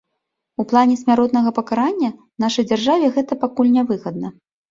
У плане смяротнага пакарання, нашай дзяржаве гэта пакуль нявыгадна.